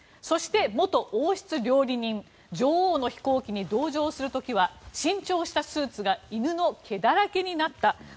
そして、元王室料理人女王の飛行機に同乗する時は新調したスーツが犬の毛だらけになった。